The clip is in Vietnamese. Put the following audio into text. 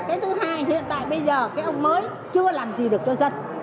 cái thứ hai hiện tại bây giờ cái ông mới chưa làm gì được cho dân